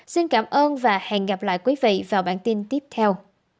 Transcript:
xin cảm ơn và hẹn gặp lại quý vị vào bản tin tiếp theo